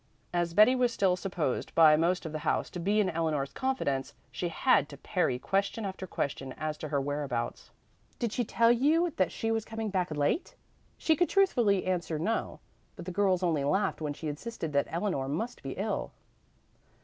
As Betty was still supposed by most of the house to be in Eleanor's confidence, she had to parry question after question as to her whereabouts. To, "Did she tell you that she was coming back late?" she could truthfully answer "No." But the girls only laughed when she insisted that Eleanor must be ill.